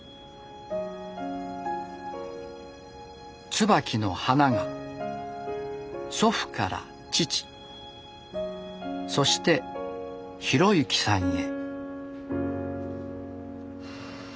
椿の花が祖父から父そして浩之さんへ。